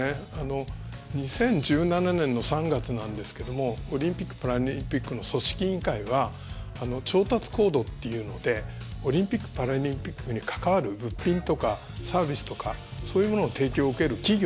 ２０１７年の３月なんですがオリンピック・パラリンピックの組織委員会は調達高度というのでオリンピック・パラリンピックに関わる物品とかサービスとかそういうものを提供を受ける企業